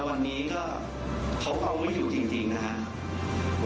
วันนี้ก็เขาเป่าไม่อยู่จริงนะครับ